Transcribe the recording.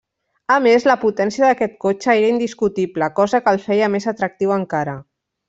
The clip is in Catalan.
A més, la potència d'aquest cotxe era indiscutible cosa que el feia més atractiu encara.